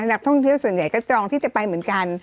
นักท่องเที่ยวส่วนใหญ่ก็จองที่จะไปเหมือนกัน